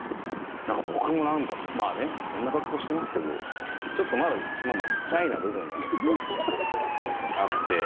何か僕もまあねこんな格好してますけどちょっとまあまあシャイな部分がねあって。